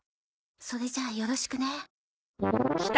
それじゃあよろしくね。